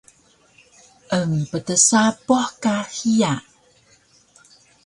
Emptsapuh ka hiya